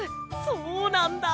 そうなんだ。